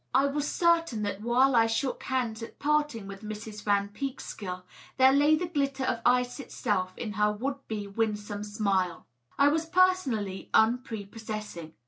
I was certain that while I shook hands at parting with Mrs. Van Peekskill there lay the glitter of ice itself in her would be winsome smile. I was personally unprepossessing.